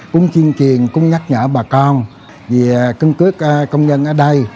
cũng chiên truyền cũng nhắc nhở bà con về cân cước công nhân ở đây